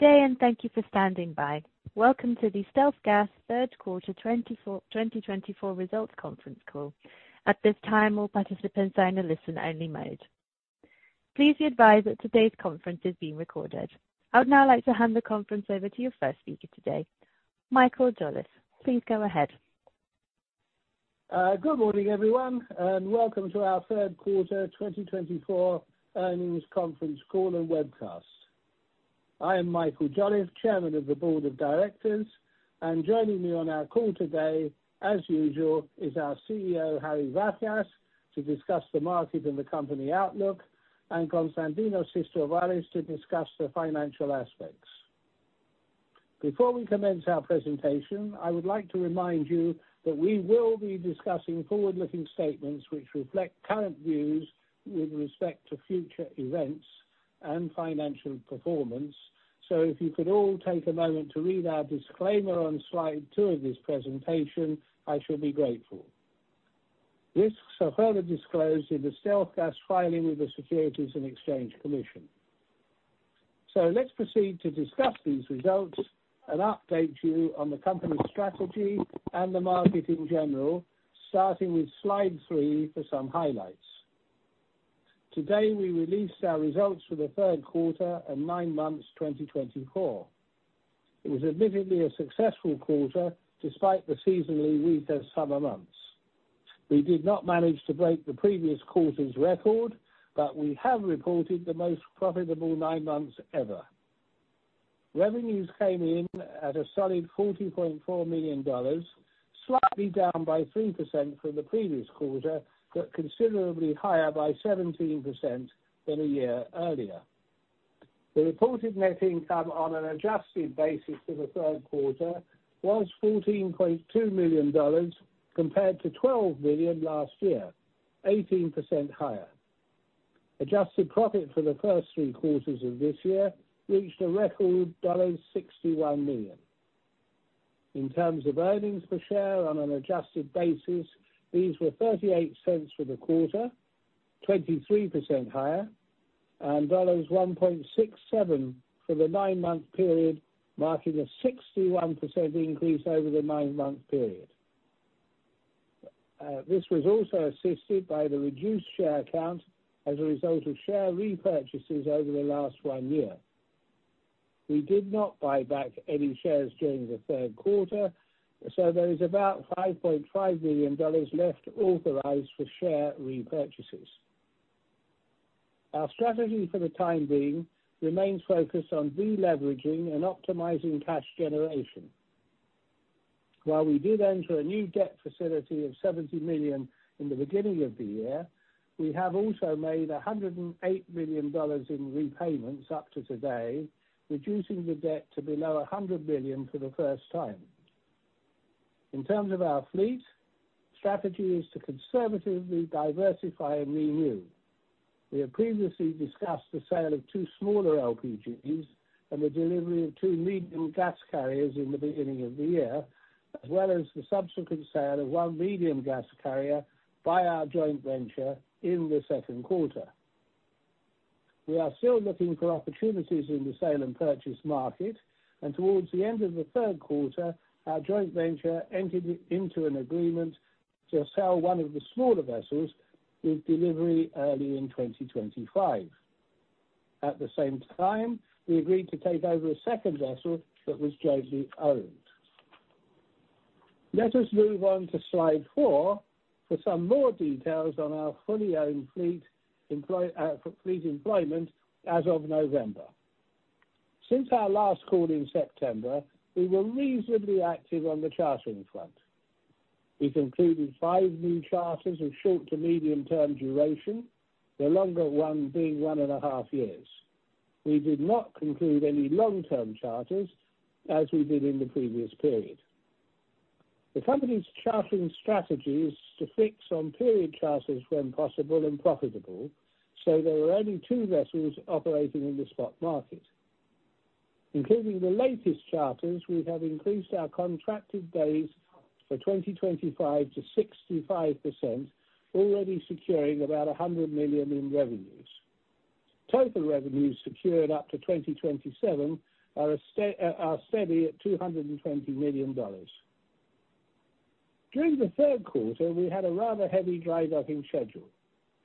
Good day, and thank you for standing by. Welcome to the StealthGas third quarter 2024 results conference call. At this time, all participants are in a listen-only mode. Please be advised that today's conference is being recorded. I would now like to hand the conference over to your first speaker today, Michael Jolliffe. Please go ahead. Good morning, everyone, and welcome to our third quarter 2024 earnings conference call and webcast. I am Michael Jolliffe, Chairman of the Board of Directors, and joining me on our call today, as usual, is our CEO, Harry Vafias, to discuss the market and the company outlook, and Konstantinos Sistovaris, to discuss the financial aspects. Before we commence our presentation, I would like to remind you that we will be discussing forward-looking statements which reflect current views with respect to future events and financial performance. So if you could all take a moment to read our disclaimer on slide two of this presentation, I shall be grateful. Risks are further disclosed in the StealthGas filing with the Securities and Exchange Commission. So let's proceed to discuss these results and update you on the company's strategy and the market in general, starting with slide three for some highlights. Today, we released our results for the third quarter and nine months 2024. It was admittedly a successful quarter despite the seasonally weaker summer months. We did not manage to break the previous quarter's record, but we have reported the most profitable nine months ever. Revenues came in at a solid $40.4 million, slightly down by 3% from the previous quarter, but considerably higher by 17% than a year earlier. The reported net income on an adjusted basis for the third quarter was $14.2 million compared to $12 million last year, 18% higher. Adjusted profit for the first three quarters of this year reached a record $61 million. In terms of earnings per share on an adjusted basis, these were $0.38 for the quarter, 23% higher, and $1.67 for the nine-month period, marking a 61% increase over the nine-month period. This was also assisted by the reduced share count as a result of share repurchases over the last one year. We did not buy back any shares during the third quarter, so there is about $5.5 million left authorized for share repurchases. Our strategy for the time being remains focused on deleveraging and optimizing cash generation. While we did enter a new debt facility of $70 million in the beginning of the year, we have also made $108 million in repayments up to today, reducing the debt to below $100 million for the first time. In terms of our fleet, the strategy is to conservatively diversify and renew. We have previously discussed the sale of two smaller LPGs and the delivery of two medium gas carriers in the beginning of the year, as well as the subsequent sale of one medium gas carrier by our joint venture in the second quarter. We are still looking for opportunities in the sale and purchase market, and towards the end of the third quarter, our joint venture entered into an agreement to sell one of the smaller vessels with delivery early in 2025. At the same time, we agreed to take over a second vessel that was jointly owned. Let us move on to slide four for some more details on our fully owned fleet employment as of November. Since our last call in September, we were reasonably active on the chartering front. We concluded five new charters of short to medium-term duration, the longer one being one-and-a half years. We did not conclude any long-term charters as we did in the previous period. The company's chartering strategy is to fix on period charters when possible and profitable, so there are only two vessels operating in the spot market. Including the latest charters, we have increased our contracted days for 2025 to 65%, already securing about $100 million in revenues. Total revenues secured up to 2027 are steady at $220 million. During the third quarter, we had a rather heavy dry docking schedule.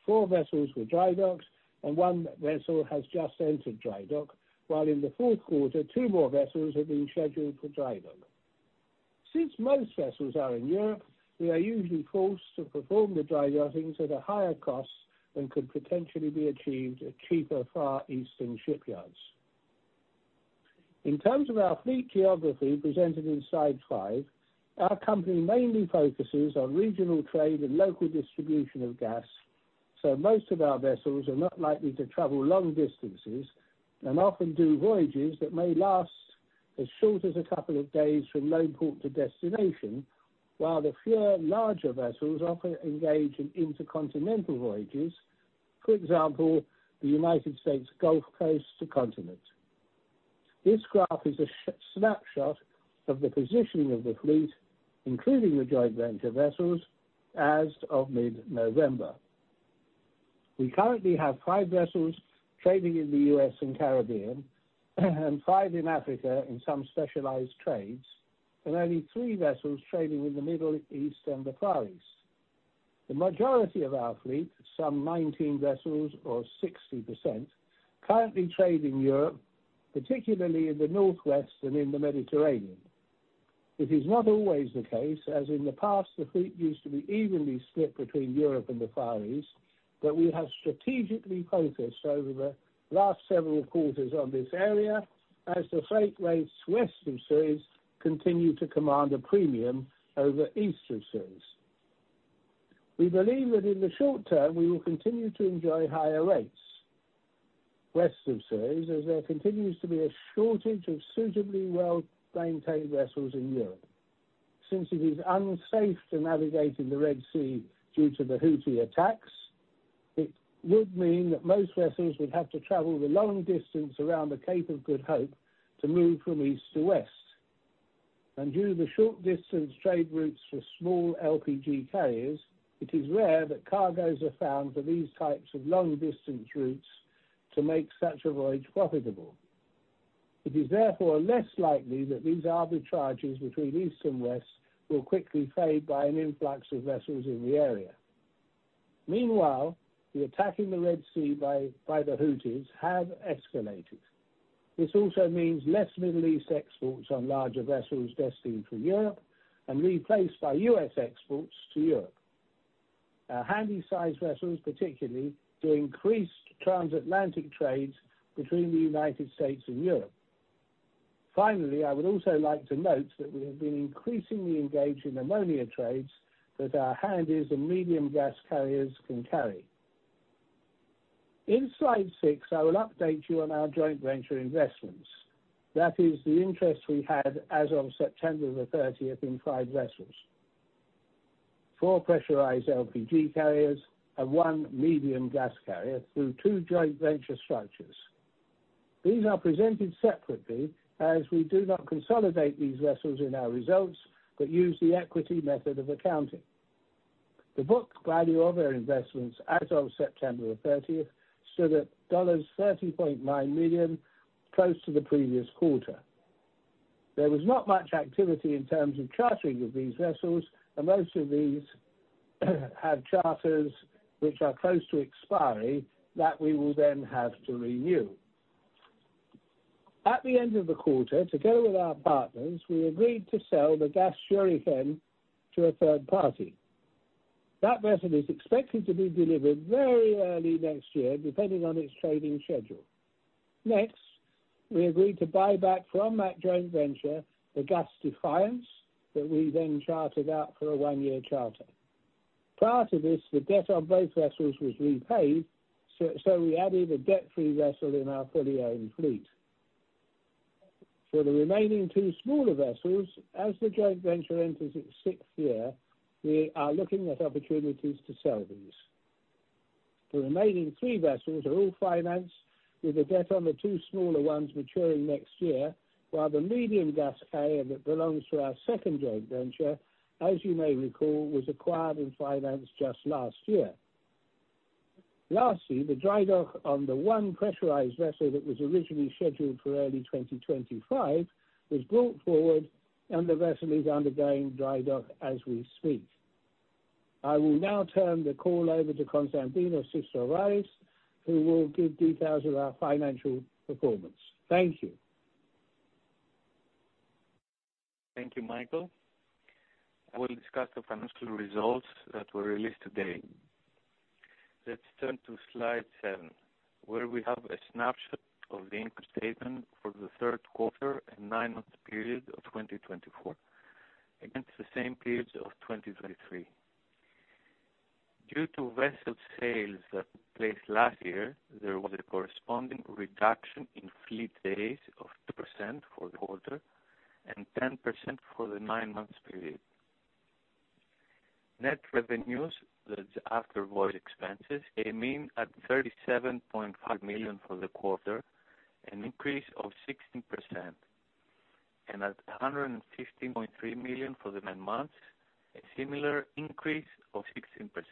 Four vessels were dry docked, and one vessel has just entered dry dock, while in the fourth quarter, two more vessels have been scheduled for dry dock. Since most vessels are in Europe, we are usually forced to perform the dry dockings at a higher cost than could potentially be achieved at cheaper Far Eastern shipyards. In terms of our fleet geography presented in slide five, our company mainly focuses on regional trade and local distribution of gas, so most of our vessels are not likely to travel long distances and often do voyages that may last as short as a couple of days from load port to destination, while the fewer larger vessels often engage in intercontinental voyages, for example, the United States Gulf Coast to continent. This graph is a snapshot of the positioning of the fleet, including the joint venture vessels, as of mid-November. We currently have five vessels trading in the U.S. and Caribbean, and five in Africa in some specialized trades, and only three vessels trading in the Middle East and the Far East. The majority of our fleet, some 19 vessels or 60%, currently trade in Europe, particularly in the Northwest and in the Mediterranean. It is not always the case, as in the past, the fleet used to be evenly split between Europe and the Far East, but we have strategically focused over the last several quarters on this area as the freight rates west of Suez continue to command a premium over east of Suez. We believe that in the short term, we will continue to enjoy higher rates west of Suez as there continues to be a shortage of suitably well-maintained vessels in Europe. Since it is unsafe to navigate in the Red Sea due to the Houthi attacks, it would mean that most vessels would have to travel the long distance around the Cape of Good Hope to move from east to west, and due to the short-distance trade routes for small LPG carriers, it is rare that cargoes are found for these types of long-distance routes to make such a voyage profitable. It is therefore less likely that these arbitrages between east and west will quickly fade by an influx of vessels in the area. Meanwhile, the attack in the Red Sea by the Houthis has escalated. This also means less Middle East exports on larger vessels destined for Europe and replaced by US exports to Europe. Our Handysized vessels, particularly, have increased transatlantic trades between the United States and Europe. Finally, I would also like to note that we have been increasingly engaged in ammonia trades that our handies and medium gas carriers can carry. In slide six, I will update you on our joint venture investments. That is the interest we had as of September the 30th in five vessels: four pressurized LPG carriers and one medium gas carrier through two joint venture structures. These are presented separately as we do not consolidate these vessels in our results but use the equity method of accounting. The book value of our investments as of September the 30th stood at $30.9 million, close to the previous quarter. There was not much activity in terms of chartering of these vessels, and most of these have charters which are close to expiry that we will then have to renew. At the end of the quarter, together with our partners, we agreed to sell the Gas Shuriken to a third party. That vessel is expected to be delivered very early next year, depending on its trading schedule. Next, we agreed to buy back from that joint venture the Gas Defiance that we then chartered out for a one-year charter. Prior to this, the debt on both vessels was repaid, so we added a debt-free vessel in our fully owned fleet. For the remaining two smaller vessels, as the joint venture enters its sixth year, we are looking at opportunities to sell these. The remaining three vessels are all financed with the debt on the two smaller ones maturing next year, while the medium gas carrier that belongs to our second joint venture, as you may recall, was acquired and financed just last year. Lastly, the dry dock on the one pressurized vessel that was originally scheduled for early 2025 was brought forward, and the vessel is undergoing dry dock as we speak. I will now turn the call over to Konstantinos Sistovaris, who will give details of our financial performance. Thank you. Thank you, Michael. We'll discuss the financial results that were released today. Let's turn to slide seven, where we have a snapshot of the income statement for the third quarter and nine-month period of 2024 against the same period of 2023. Due to vessel sales that took place last year, there was a corresponding reduction in fleet days of 2% for the quarter and 10% for the nine-month period. Net revenues, after voyage expenses, came in at $37.5 million for the quarter, an increase of 16%, and at $115.3 million for the nine months, a similar increase of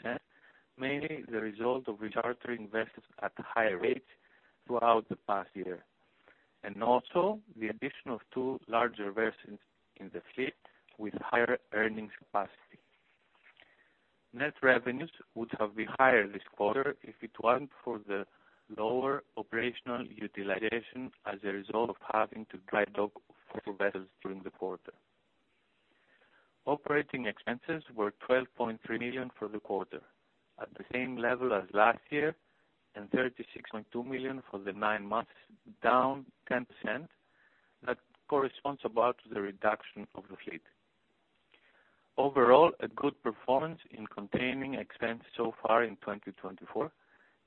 16%, mainly the result of rechartering vessels at higher rates throughout the past year, and also the addition of two larger vessels in the fleet with higher earnings capacity. Net revenues would have been higher this quarter if it weren't for the lower operational utilization as a result of having to dry dock four vessels during the quarter. Operating expenses were $12.3 million for the quarter, at the same level as last year, and $36.2 million for the nine months, down 10%. That corresponds about to the reduction of the fleet. Overall, a good performance in containing expenses so far in 2024,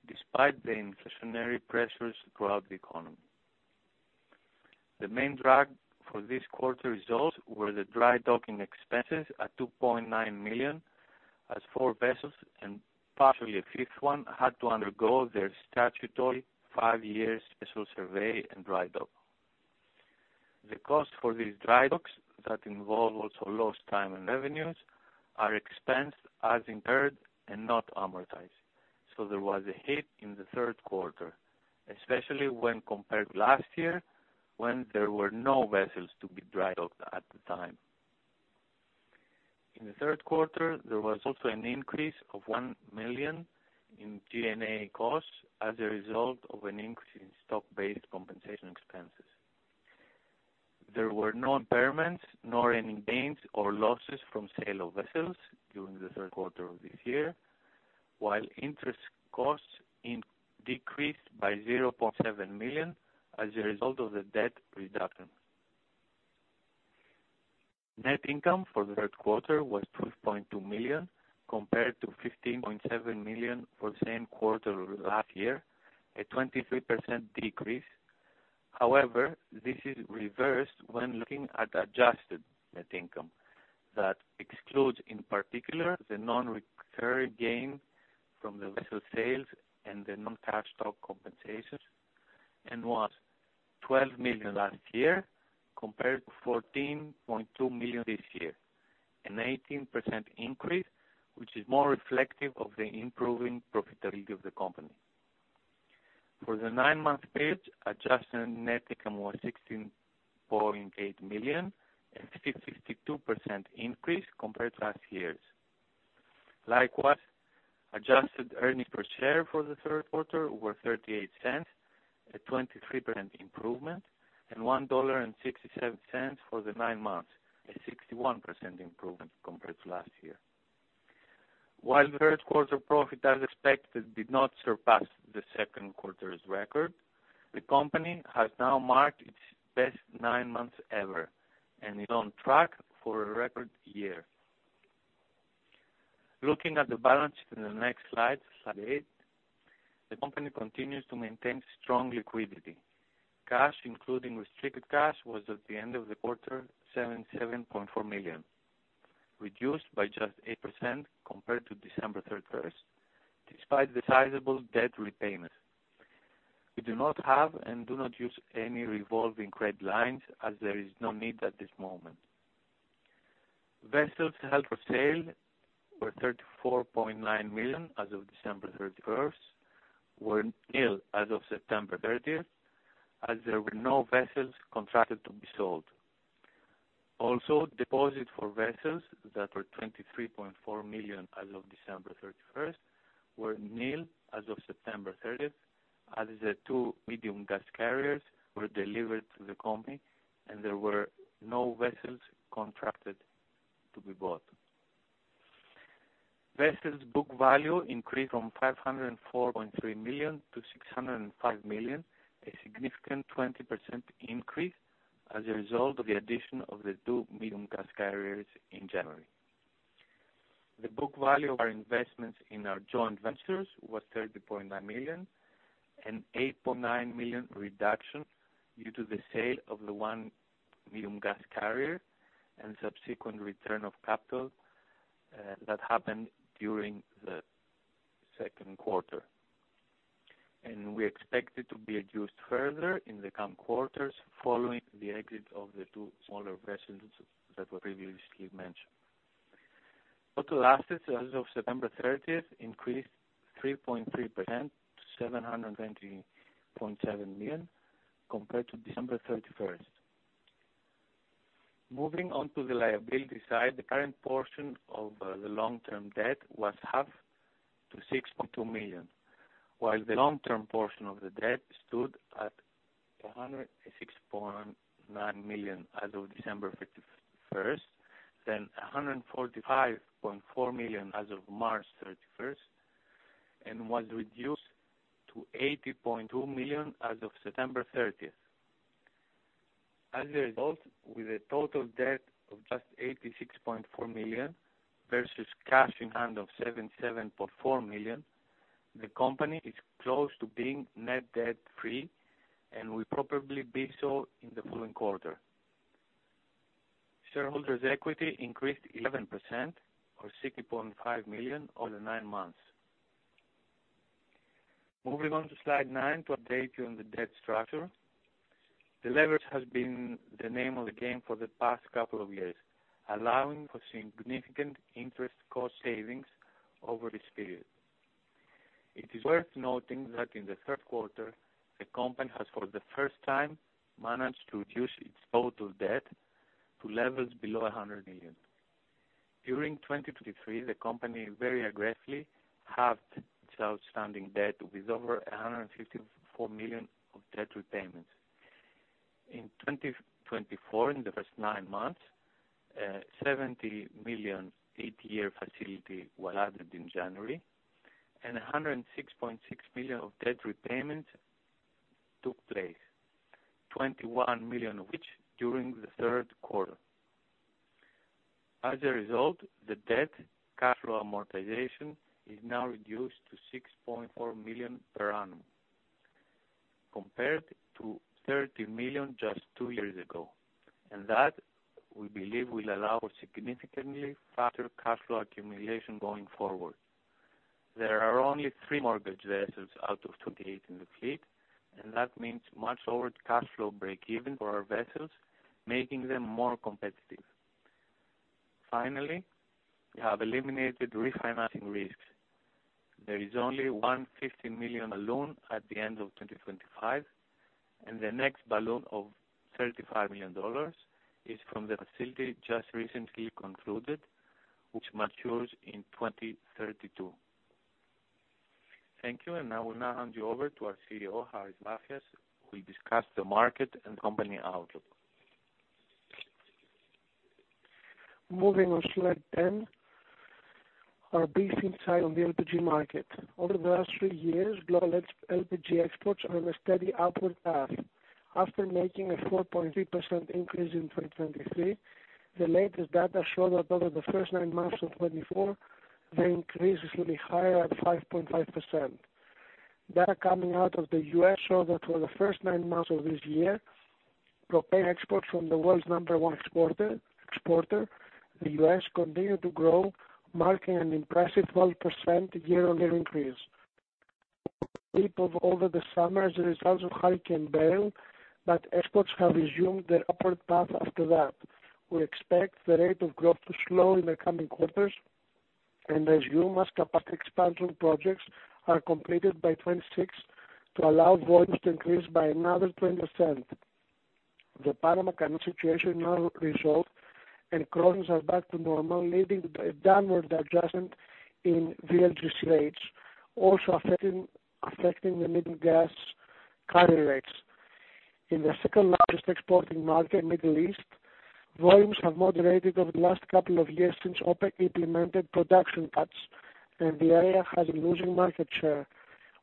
despite the inflationary pressures throughout the economy. The main drag for this quarter results were the dry docking expenses at $2.9 million, as four vessels and partially a fifth one had to undergo their statutory five-year vessel survey and dry dock. The costs for these dry docks that involve also lost time and revenues are expensed as incurred and not amortized, so there was a hit in the third quarter, especially when compared to last year when there were no vessels to be dry-docked at the time. In the third quarter, there was also an increase of $1 million in G&A costs as a result of an increase in stock-based compensation expenses. There were no impairments, nor any gains or losses from sale of vessels during the third quarter of this year, while interest costs decreased by $0.7 million as a result of the debt reduction. Net income for the third quarter was $12.2 million compared to $15.7 million for the same quarter last year, a 23% decrease. However, this is reversed when looking at adjusted net income that excludes, in particular, the non-recurring gain from the vessel sales and the non-cash stock compensations, and was $12 million last year compared to $14.2 million this year, an 18% increase, which is more reflective of the improving profitability of the company. For the nine-month period, adjusted net income was $16.8 million, a 52% increase compared to last year's. Likewise, adjusted earnings per share for the third quarter were $0.38, a 23% improvement, and $1.67 for the nine months, a 61% improvement compared to last year. While the third quarter profit, as expected, did not surpass the second quarter's record, the company has now marked its best nine months ever and is on track for a record year. Looking at the balance sheet in the next slide, slide eight, the company continues to maintain strong liquidity. Cash, including restricted cash, was at the end of the quarter $77.4 million, reduced by just 8% compared to December 31st, despite the sizable debt repayment. We do not have and do not use any revolving credit lines as there is no need at this moment. Vessels held for sale were $34.9 million as of December 31st, were nil as of September 30th as there were no vessels contracted to be sold. Also, deposits for vessels that were $23.4 million as of December 31st were nil as of September 30th as the two medium gas carriers were delivered to the company, and there were no vessels contracted to be bought. Vessels' book value increased from $504.3 million to $605 million, a significant 20% increase as a result of the addition of the two medium gas carriers in January. The book value of our investments in our joint ventures was $30.9 million, an $8.9 million reduction due to the sale of the one medium gas carrier and subsequent return of capital that happened during the second quarter. We expect it to be reduced further in the coming quarters following the exit of the two smaller vessels that were previously mentioned. Total assets as of September 30th increased 3.3% to $720.7 million compared to December 31st. Moving on to the liability side, the current portion of the long-term debt was halved to $6.2 million, while the long-term portion of the debt stood at $106.9 million as of December 31st, then $145.4 million as of March 31st, and was reduced to $80.2 million as of September 30th. As a result, with a total debt of just $86.4 million versus cash in hand of $77.4 million, the company is close to being net debt-free, and we'll probably be so in the following quarter. Shareholders' equity increased 11%, or $60.5 million, over the nine months. Moving on to slide nine to update you on the debt structure. Deleveraging has been the name of the game for the past couple of years, allowing for significant interest cost savings over this period. It is worth noting that in the third quarter, the company has for the first time managed to reduce its total debt to levels below $100 million. During 2023, the company very aggressively halved its outstanding debt with over $154 million of debt repayments. In 2024, in the first nine months, $70 million eight-year facility was added in January, and $106.6 million of debt repayments took place, $21 million of which during the third quarter. As a result, the debt cash flow amortization is now reduced to $6.4 million per annum compared to $30 million just two years ago, and that we believe will allow for significantly faster cash flow accumulation going forward. There are only three mortgage vessels out of 28 in the fleet, and that means much lower cash flow break-even for our vessels, making them more competitive. Finally, we have eliminated refinancing risks. There is only one $150 million balloon at the end of 2025, and the next balloon of $35 million is from the facility just recently concluded, which matures in 2032. Thank you, and I will now hand you over to our CEO, Harry Vafias, who will discuss the market and company outlook. Moving on to slide 10, our brief insight on the LPG market. Over the last three years, global LPG exports are on a steady upward path. After making a 4.3% increase in 2023, the latest data showed that over the first nine months of 2024, the increase is higher at 5.5%. Data coming out of the U.S. showed that for the first nine months of this year, propane exports from the world's number one exporter, the U.S., continued to grow, marking an impressive 12% year-on-year increase. Peaked over the summer as a result of Hurricane Beryl, but exports have resumed their upward path after that. We expect the rate of growth to slow in the coming quarters and resume as capacity expansion projects are completed by 2026 to allow volumes to increase by another 20%. The Panama Canal situation now resolved and closes us back to normal, leading to a downward adjustment in VLGC rates, also affecting the medium gas carrier rates. In the second largest exporting market, the Middle East, volumes have moderated over the last couple of years since OPEC implemented production cuts, and the area has been losing market share.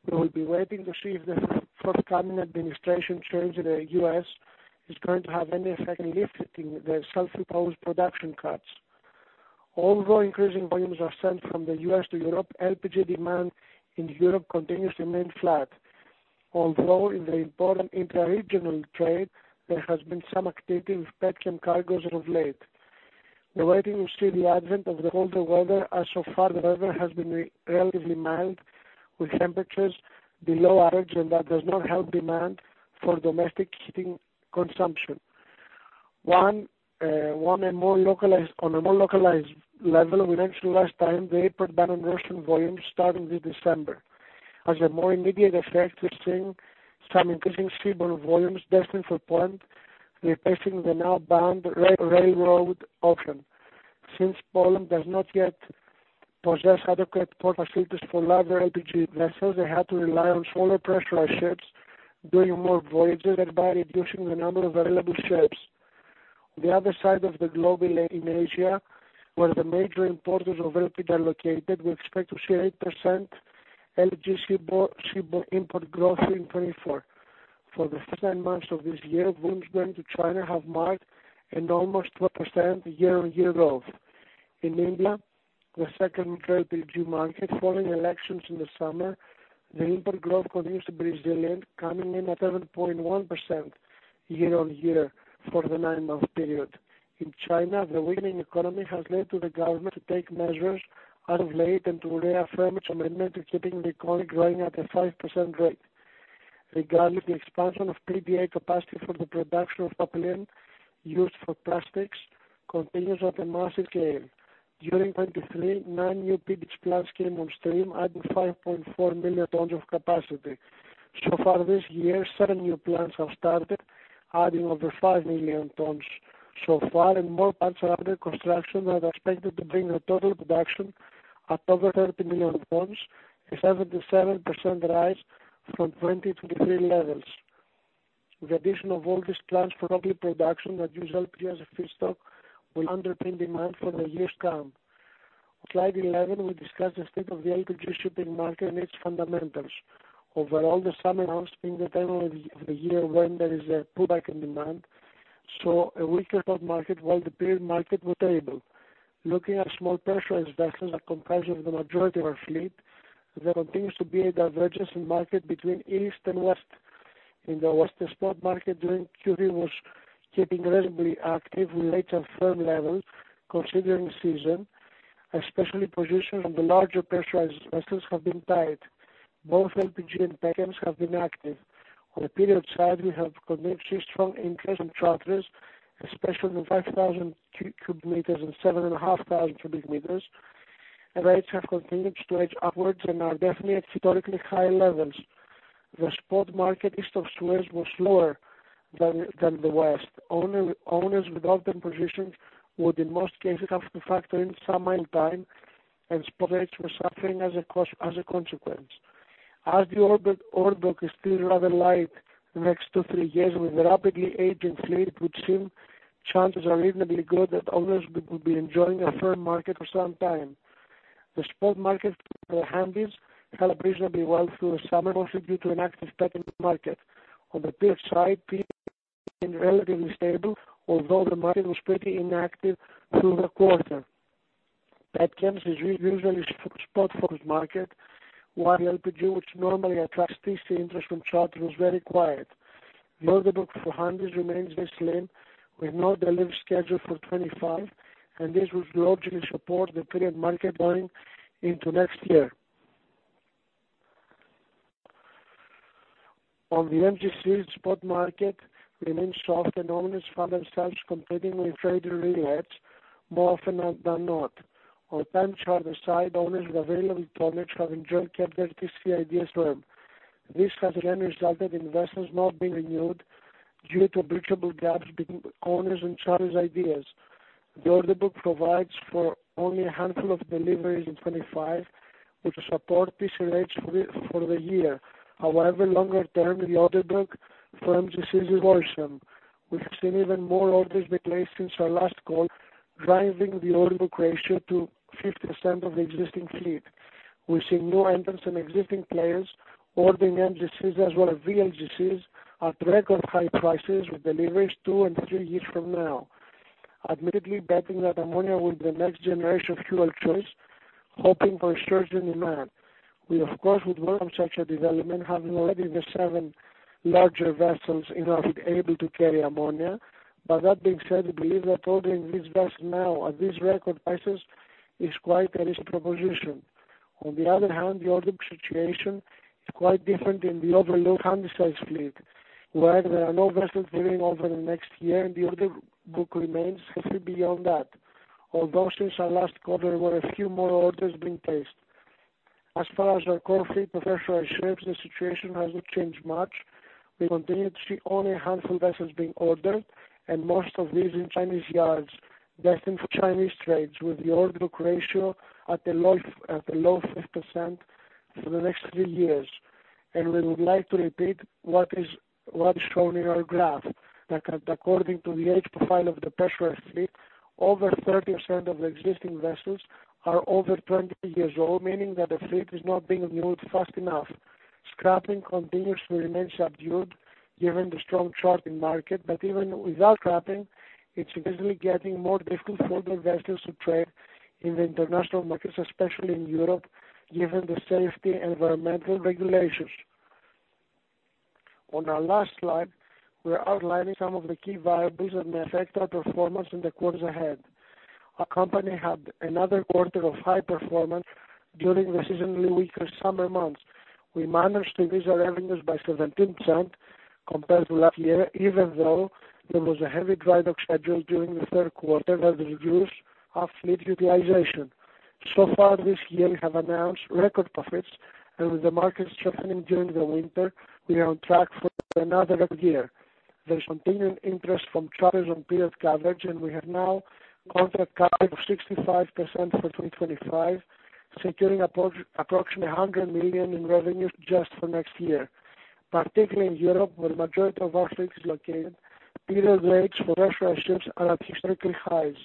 We will be waiting to see if the forthcoming administration change in the U.S. is going to have any effect in lifting the self-imposed production cuts. Although increasing volumes are sent from the U.S. to Europe, LPG demand in Europe continues to remain flat, although in the important interregional trade, there has been some activity with petroleum cargoes of late. We're waiting to see the advent of the colder weather, as so far the weather has been relatively mild, with temperatures below average, and that does not help demand for domestic heating consumption. On a more localized level, we mentioned last time in the April ban on Russian volumes starting this December. As a more immediate effect, we're seeing some increasing seaborne volumes destined for Poland, replacing the now banned railroad option. Since Poland does not yet possess adequate port facilities for larger LPG vessels, they had to rely on smaller pressurized ships doing more voyages thereby reducing the number of available ships. On the other side of the globe, in Asia, where the major importers of LPG are located, we expect to see 8% LPG seaborne import growth in 2024. For the first nine months of this year, volumes going to China have marked an almost 12% year-on-year growth. In India, the second major LPG market, following elections in the summer, the import growth continues to be resilient, coming in at 7.1% year-on-year for the nine-month period. In China, the weakening economy has led to the government to take measures as of late and to reaffirm its commitment to keeping the economy growing at a 5% rate. Regardless, the expansion of PDH capacity for the production of propylene used for plastics continues at a massive scale. During 2023, nine new PDH plants came on stream, adding 5.4 million tons of capacity. So far this year, seven new plants have started, adding over 5 million tons so far, and more plants are under construction that are expected to bring a total production at over 30 million tons, a 77% rise from 2023 levels. The addition of all these plants for local production that use LPG as a feedstock will underpin demand for the years to come. On slide 11, we discussed the state of the LPG shipping market and its fundamentals. Overall, the summer months being the time of the year when there is a pullback in demand, so a weaker spot market while the barge market was stable. Looking at small pressurized vessels in comparison with the majority of our fleet, there continues to be a divergence in market between east and west. In the western spot market, during Q3, it was keeping reasonably active with late and firm levels, considering the season, especially positions on the larger pressurized vessels have been tight. Both LPG and petchems have been active. On the period side, we have continued to see strong interest in Handies, especially the 5,000 cubic meters and 7,500 cubic meters. Rates have continued to edge upwards and are definitely at historically high levels. The spot market east of Suez was slower than the west. Owners with open positions would, in most cases, have to factor in some ballast time and spot rates were suffering as a consequence. As the order book is still rather light for the next two to three years, with a rapidly aging fleet, it would seem chances are reasonably good that owners will be enjoying a firm market for some time. The spot market for the Handies held up reasonably well through the summer, mostly due to an active petrochemical market. On the period side, PDH remained relatively stable, although the market was pretty inactive through the quarter. Petchems is usually a spot-focused market, while LPG, which normally attracts TC interest from traders, was very quiet. The order book for Handysize remains very slim, with no delivery scheduled for 2025, and this would largely support the period market going into next year. On the MGC, the spot market remains soft and owners found themselves competing with trading rates more often than not. On the time charter side, owners with available tonnage have enjoyed relatively firm. This has again resulted in vessels not being renewed due to unbridgeable gaps between owners and charterers' ideas. The order book provides for only a handful of deliveries in 2025, which support TC rates for the year. However, longer term, the order book for MGCs is worrisome. We've seen even more orders be placed since our last call, driving the order book ratio to 50% of the existing fleet. We've seen new entrants and existing players ordering MGCs as well as VLGCs at record high prices with deliveries two and three years from now. Admittedly, betting that ammonia will be the next generation of fuel choice, hoping for a surge in demand. We, of course, would welcome such a development, having already the seven larger vessels enough to be able to carry ammonia. But that being said, we believe that ordering these vessels now at these record prices is quite a risky proposition. On the other hand, the order book situation is quite different in the overlooked Handysize fleet, where there are no vessels delivering over the next year, and the order book remains low beyond that, although since our last quarter, there were a few more orders being placed. As far as our core fleet of pressurized ships, the situation has not changed much. We continue to see only a handful of vessels being ordered, and most of these are in Chinese yards destined for Chinese trades, with the order book ratio at a low 5% for the next three years, and we would like to repeat what is shown in our graph that, according to the age profile of the pressurized fleet, over 30% of the existing vessels are over 20 years old, meaning that the fleet is not being renewed fast enough. Scrapping continues to remain subdued given the strong freight in the market, but even without scrapping, it's increasingly getting more difficult for the vessels to trade in the international markets, especially in Europe, given the safety and environmental regulations. On our last slide, we're outlining some of the key variables that may affect our performance in the quarters ahead. Our company had another quarter of high performance during the seasonally weaker summer months. We managed to increase our revenues by 17% compared to last year, even though there was a heavy dry dock schedule during the third quarter that reduced fleet utilization. So far this year, we have announced record profits, and with the market strengthening during the winter, we are on track for another good year. There's continued interest from charterers on period coverage, and we now have contract coverage of 65% for 2025, securing approximately $100 million in revenue just for next year, particularly in Europe, where the majority of our fleet is located. Period rates for pressurized ships are at historical highs.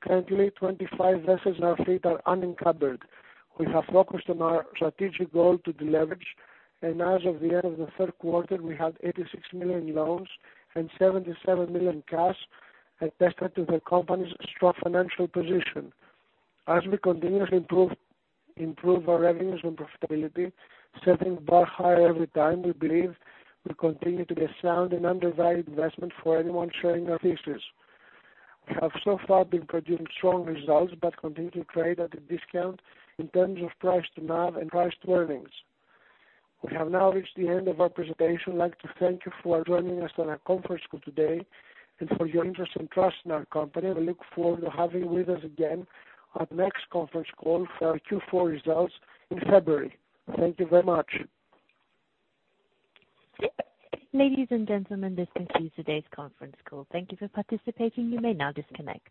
Currently, 25 vessels in our fleet are unencumbered. We have focused on our strategic goal to deleverage, and as of the end of the third quarter, we had $86 million loans and $77 million cash attested to the company's strong financial position. As we continuously improve our revenues and profitability, setting the bar higher every time, we believe we'll continue to be a sound and undervalued investment for anyone sharing our vision. We have so far been producing strong results but continue to trade at a discount in terms of price to NAV and price to earnings. We have now reached the end of our presentation. I'd like to thank you for joining us at our conference call today and for your interest and trust in our company. We look forward to having you with us again at the next conference call for our Q4 results in February. Thank you very much. Ladies and gentlemen, this concludes today's conference call. Thank you for participating. You may now disconnect.